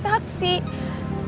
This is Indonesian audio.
saya tadi naik taksi